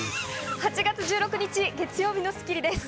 ８月１６日、月曜日の『スッキリ』です。